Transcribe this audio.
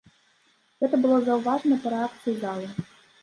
Гэта было заўважна па рэакцыі залы.